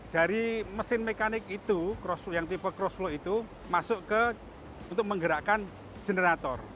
dari mesin mekanik itu yang tipe cross flow itu masuk ke untuk menggerakkan generator